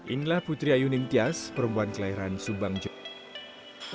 inilah putri ayu ning ties perempuan kelahiran subang jawa